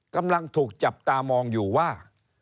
กำลังถูกจับตามองอยู่ว่า